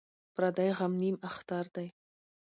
ـ پردى غم نيم اختر دى.